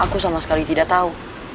aku sama sekali tidak tahu